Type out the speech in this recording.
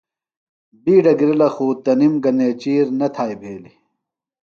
بِیڈہ گِرلہ خُو تِنم گہ نیچِیر نہ تھایئ بھیلیۡ۔